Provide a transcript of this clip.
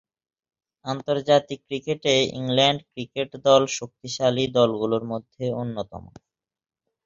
আন্তর্জাতিক ক্রিকেটে England cricket দল শক্তিশালী দলগুলোর মধ্যে অন্যতম।